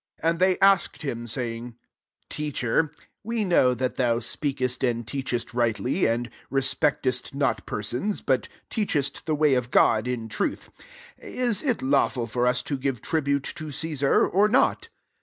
21 And they ask ed him, saying, " Teacher, we know that thou speakest and teachest rightly, and respectest not persons, but teachest the way of God in truth : 22 Is it lawful for us to give tribute to Cesar, or not